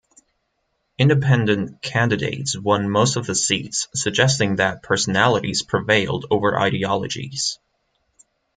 Independent candidates won most of the seats, suggesting that personalities prevailed over ideologies.